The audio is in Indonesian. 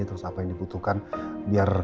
terus apa yang dibutuhkan biar